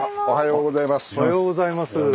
おはようございます。